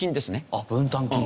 あっ分担金。